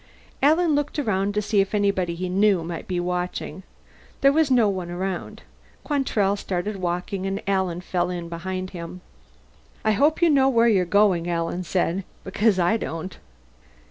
Alan looked around to see if anybody he knew might be watching. There was no one around. Quantrell started walking, and Alan fell in behind him. "I hope you know where you're going," Alan said. "Because I don't."